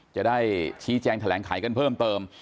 จะได้ชี้แจงแถลงไขกันเพิ่มเติม